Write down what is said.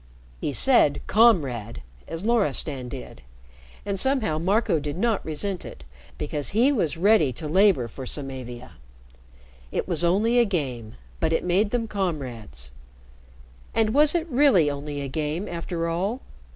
He said "Comrade" as Loristan did, and somehow Marco did not resent it, because he was ready to labor for Samavia. It was only a game, but it made them comrades and was it really only a game, after all?